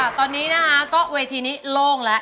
ตอนนี้นะคะก็เวทีนี้โล่งแล้ว